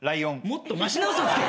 もっとましな嘘つけ。